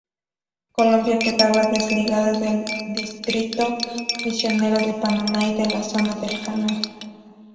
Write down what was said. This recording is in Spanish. Colombia quedaba desligada del distrito misionero de Panamá y de la Zona del Canal.